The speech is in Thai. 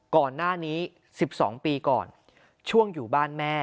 ก่อนหน้านี้๑๒ปีก่อนช่วงอยู่บ้านแม่